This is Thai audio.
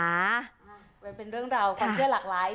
มันเป็นเรื่องราวความเชื่อหลากหลาย